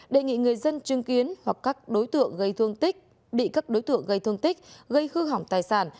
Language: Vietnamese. đề nghị người dân chứng kiến hoặc các đối tượng gây thương tích bị các đối tượng gây thương tích gây hư hỏng tài sản